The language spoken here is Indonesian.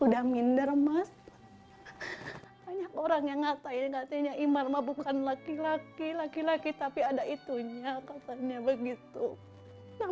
dia udah gak mau main sama orang